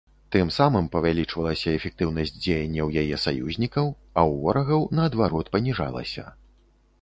Тым самым павялічвалася эфектыўнасць дзеянняў яе саюзнікаў, а ў ворагаў, наадварот, паніжалася.